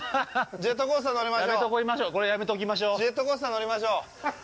ジェットコースター乗りましょう。